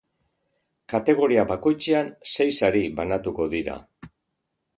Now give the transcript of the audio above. Kategoria bakoitzean sei sari banatuko dira.